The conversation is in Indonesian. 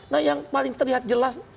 nah yang paling terlihat jelas